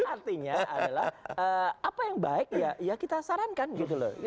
artinya adalah apa yang baik ya ya kita sarankan gitu loh